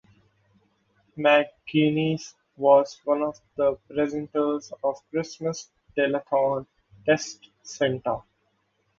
McGuinness was one of the presenters of Christmas telethon "Text Santa".